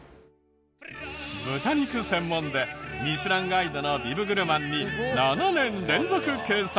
豚肉専門で『ミシュランガイド』のビブグルマンに７年連続掲載。